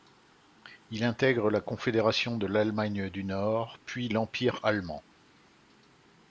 Il intègre la Confédération de l'Allemagne du Nord puis l'Empire allemand.